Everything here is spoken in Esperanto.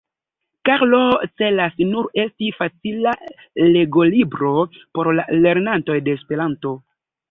Karlo celas nur esti facila legolibro por la lernantoj de Esperanto.